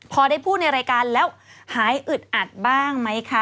พอได้พูดในรายการแล้วหายอึดอัดบ้างไหมคะ